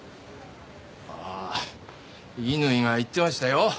ああ伊縫が言ってましたよ。